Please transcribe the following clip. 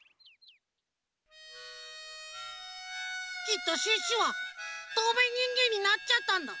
きっとシュッシュはとうめいにんげんになっちゃったんだ。